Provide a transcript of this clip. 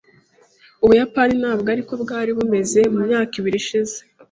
Ubuyapani ntabwo aribwo bwari bumeze mu myaka ibiri ishize.